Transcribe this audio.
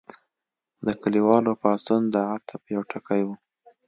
د کلیوالو پاڅون د عطف یو ټکی و.